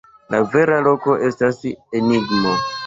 La vera loko estas enigmo.